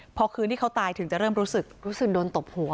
พอคืนที่เขาตายถึงจะเริ่มรู้สึกรู้สึกโดนตบหัว